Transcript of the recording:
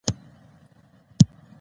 غابي د ښوونځي له ټولګیوالو زده کړې کوي.